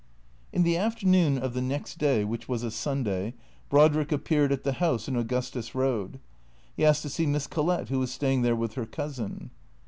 In the afternoon of the next day, which was a Sunday, Brod rick appeared at the house in Augustus Eoad. He asked to see Miss Collett, who was staying there with her cousin.